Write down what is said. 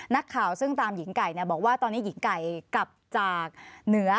นักข่าวซึ่งตามหญิงไก่บอกว่าตอนนี้หญิงไก่กลับจากเหนือ